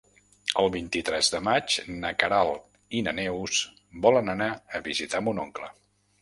El vint-i-tres de maig na Queralt i na Neus volen anar a visitar mon oncle.